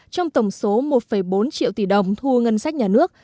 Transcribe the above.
trong tổng số một bốn triệu tỷ đồng thu ngân sách nhà nước